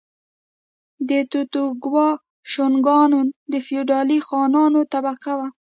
د توکوګاوا شوګانان د فیوډالي خانانو طبقه وه.